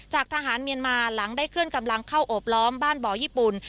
จากทหารเมียนมาหลังได้เคลื่อนกำลังเข้าโอบล้อมบ้านบ่อญี่ปุ่น